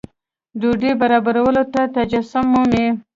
ډوډۍ برابرولو کې تجسم مومي.